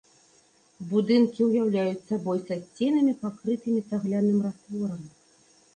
Будынкі ўяўляюць сабой са сценамі, пакрытымі цагляным растворам.